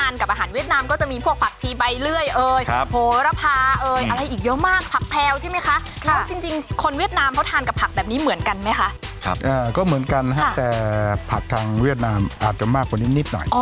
อันนี้ของกุ้งพันอ้อยครับจริงจริงคนเวียดนามเขาทานกับผักแบบนี้เหมือนกันไหมคะครับอ่าก็เหมือนกันฮะแต่ผักทางเวียดนามอาจจะมากกว่านิดนิดหน่อยอ๋อ